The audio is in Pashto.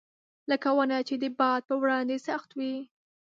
لکه ونه چې د باد پر وړاندې سخت وي.